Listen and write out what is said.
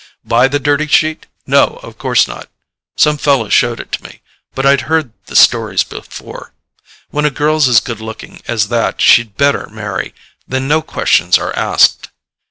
"Buy the dirty sheet? No, of course not; some fellow showed it to me—but I'd heard the stories before. When a girl's as good looking as that she'd better marry; then no questions are asked.